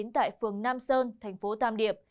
tại phường nam sơn thành phố tam điệp